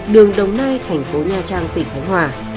đường đồng nai thành phố nha trang tỉnh khánh hòa